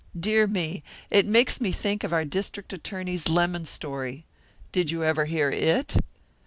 "Dear me! It makes me think of our district attorney's lemon story. Did you ever hear it?"